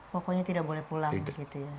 pokoknya tidak boleh pulang begitu ya